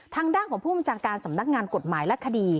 ทางด้านของผู้บัญชาการสำนักงานกฎหมายและคดี